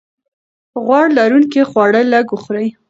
غوړ لرونکي خواړه لږ وخورئ.